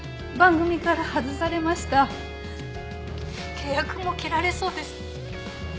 契約も切られそうです。